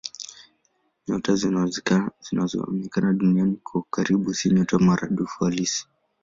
Nyota zinazoonekana Duniani kuwa karibu si nyota maradufu halisi.